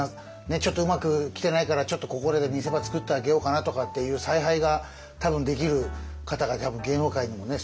ちょっとうまく来てないからちょっとここらで見せ場作ってあげようかなとかっていう采配が多分できる方が芸能界にもねそういう先輩方いっぱいいるんで。